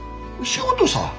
仕事さ。